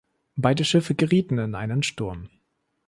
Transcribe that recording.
Beide Schiffe gerieten in einen Sturm.